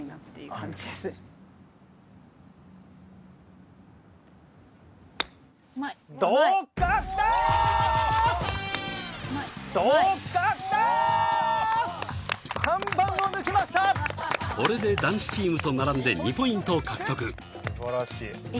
パチパチこれで男子チームと並んで２ポイント獲得すばらしい。